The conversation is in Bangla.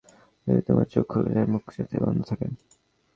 যদি তোমার চোখ খুলে যায় মুখ যাতে বন্ধ থাকে!